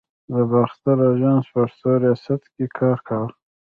د باختر آژانس پښتو ریاست کې کار کاوه.